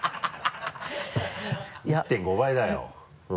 １．５倍だよ。